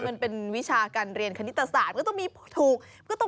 มันเป็นวิชาการเรียนคณิตศาสตร์